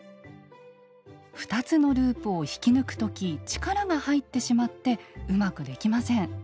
２つのループを引き抜く時力が入ってしまってうまくできません。